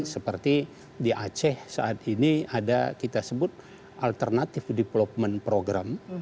seperti di aceh saat ini ada kita sebut alternative development program